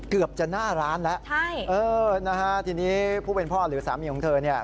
เกือบจะหน้าร้านแล้วใช่เออนะฮะทีนี้ผู้เป็นพ่อหรือสามีของเธอเนี่ย